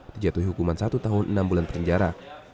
dijatuhi hukuman satu tahun enam bulan penjara